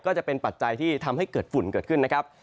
ก็จะเป็นปัจจัยที่ทำให้เกิดฝุ่นเกิดขึ้นนะครับ